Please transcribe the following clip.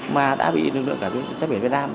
mà đã bị lực lượng cảnh sát biển việt nam